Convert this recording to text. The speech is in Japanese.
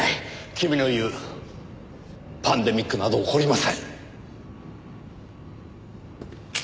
君の言うパンデミックなど起こりません。